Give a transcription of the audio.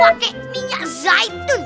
pakai minyak zaitun